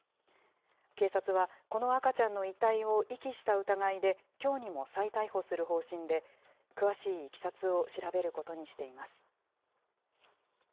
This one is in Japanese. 警察は、この赤ちゃんの遺体を遺棄した疑いで、きょうにも再逮捕する方針で、詳しいいきさつを調べることにしています。